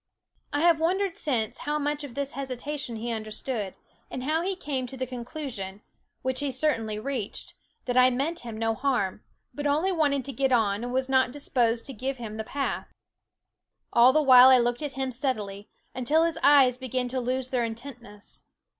I have wondered since how much of this hesitation he understood ; and how he came to the conclusion, which he certainly reached, that I meant him no harm, but only wanted to get on and was not disposed to give him the path. All the while I looked at him steadily, until his eyes began to lose their intentness.